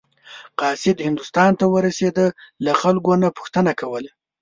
قاصد هندوستان ته ورسېده له خلکو نه پوښتنه کوله.